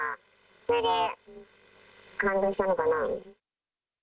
それで感動したのかな。